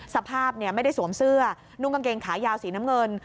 สภาพไม่ได้สวมเสื้อนุ่งกางเกงขายาวสีน้ำเงิน